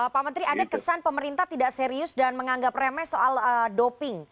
pak menteri ada kesan pemerintah tidak serius dan menganggap remeh soal doping